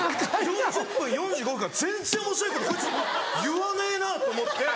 ４０分４５分間全然おもしろいことこいつ言わねえなと思って。